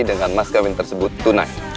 dengan mas kawin tersebut tunai